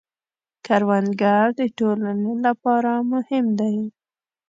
کروندګر د ټولنې لپاره مهم دی